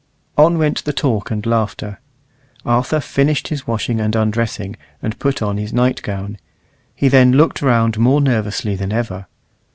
On went the talk and laughter. Arthur finished his washing and undressing, and put on his night gown. He then looked round more nervously than ever.